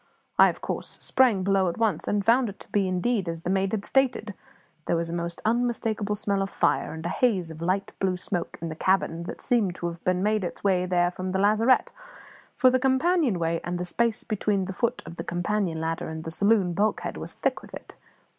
I of course sprang below at once, and found it to be indeed as the maid had stated; there was a most unmistakable smell of fire, and a haze of light blue smoke in the cabin that seemed to have made its way there from the lazarette, for the companion way and the space between the foot of the companion ladder and the saloon bulkhead was thick with it.